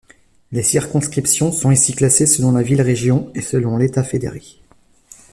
Les circonscriptions sont ici classées selon la ville-région et selon l'Etat fédéré.